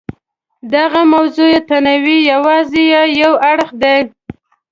دغه موضوعي تنوع یې یوازې یو اړخ دی.